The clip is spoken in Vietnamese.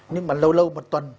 nhưng mà lâu lâu một tuần